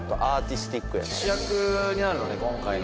主役になるので今回の。